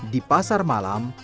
di pasar malam